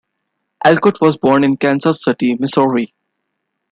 Alcott was born in Kansas City, Missouri.